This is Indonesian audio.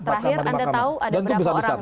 terakhir anda tahu ada berapa orang di situ